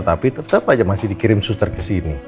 tapi tetap saja masih dikirim suster ke sini